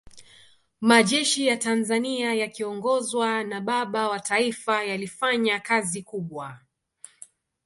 majeshi ya tanzania yakiongozwa na baba wa taifa yalifanya kazi kubwa